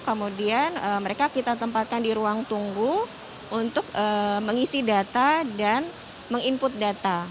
kemudian mereka kita tempatkan di ruang tunggu untuk mengisi data dan meng input data